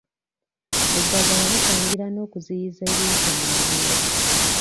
Eddagala litangira n'okuziyiza ebiwuka mu nnimiro.